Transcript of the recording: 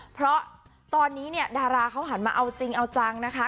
เพราะตอนนี้เนี่ยดาราเขาหันมาเอาจริงเอาจังนะคะ